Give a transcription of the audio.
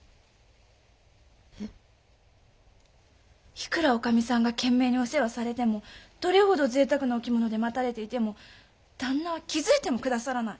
いくら女将さんが懸命にお世話されてもどれほど贅沢なお着物で待たれていても旦那は気づいても下さらない。